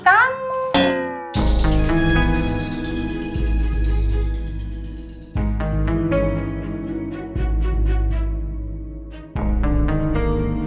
kok kamu disini